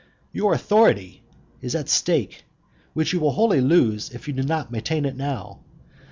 Your authority is at stake, which you will wholly lose if you do not maintain it now.